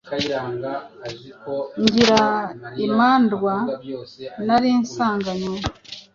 Ngira imandwa nari nsanganywe,